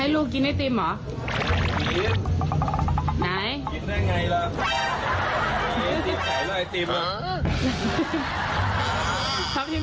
บิ๊กบอกแม่ว่าไม่ได้กิน